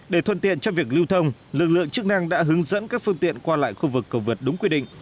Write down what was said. để thuận tiện cho việc lưu thông lực lượng chức năng đã hướng dẫn các phương tiện qua lại khu vực cầu vượt đúng quy định